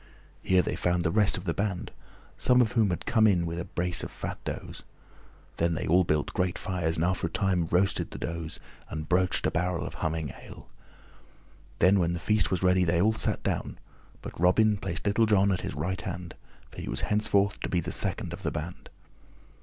Here they found the rest of the band, some of whom had come in with a brace of fat does. Then they all built great fires and after a time roasted the does and broached a barrel of humming ale. Then when the feast was ready they all sat down, but Robin placed Little John at his right hand, for he was henceforth to be the second in the band.